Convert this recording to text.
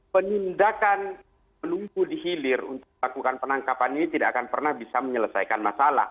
penindakan menunggu dihilir untuk melakukan penangkapan ini tidak akan pernah bisa menyelesaikan masalah